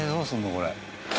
これ。